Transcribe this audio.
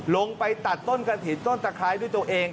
ลงไปตัดต้นกระถิ่นต้นตะไคร้ด้วยตัวเอง